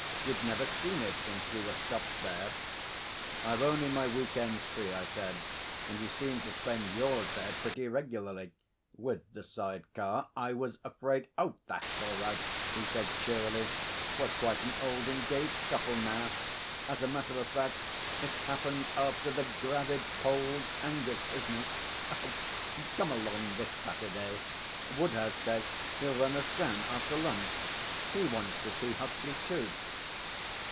You've never seen it since we were stopped there.' 'I've only my week ends free,' I said, 'and you seem to spend yours there pretty regularly with the side car. I was afraid ' 'Oh, that's all right,' he said cheerily. 'We're quite an old engaged couple now. As a matter of fact, it happened after "the gravid polled Angus" business. Come along this Saturday. Woodhouse says he'll run us down after lunch. He wants to see Huckley too.'